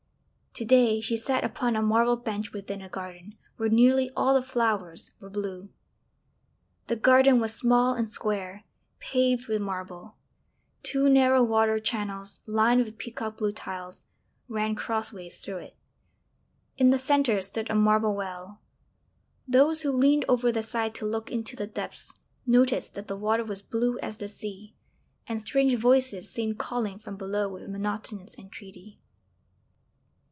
To day she sat upon a marble bench within a garden where nearly all the flowers were blue. The garden was small and square, paved with marble; two narrow water channels, lined with peacock blue tiles, ran crossways through it. In the centre stood a marble well; those who leaned over the side to look into the depths noticed that the water was blue as the sea, and strange voices seemed calling from below with monotonous entreaty.